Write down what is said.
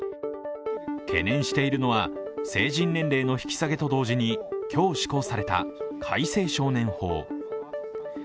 懸念しているのは、成人年齢の引き下げと同時に今日施行された改正少年法。